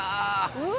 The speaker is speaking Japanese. うわ！